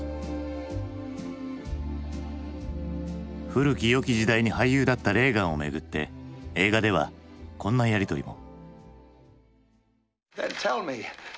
古き良き時代に俳優だったレーガンをめぐって映画ではこんなやりとりも。